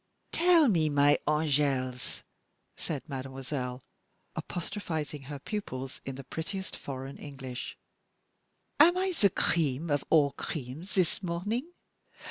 "Tell me, my angels," said mademoiselle, apostrophizing her pupils in the prettiest foreign English, "am I the cream of all creams this morning?